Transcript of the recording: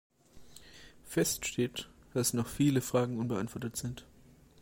Fest steht, dass noch viele Fragen unbeantwortet sind.